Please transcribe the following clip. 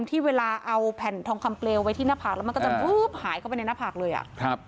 ที่เวลาเอาแผ่นทองคำเปลวไว้ที่หน้าผากแล้วมันก็จะวูบหายเข้าไปในหน้าผากเลยอ่ะครับ